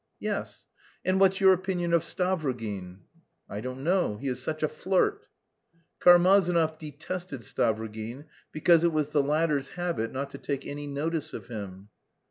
"Yes." "And what's your opinion of Stavrogin?" "I don't know; he is such a flirt." Karmazinov detested Stavrogin because it was the latter's habit not to take any notice of him.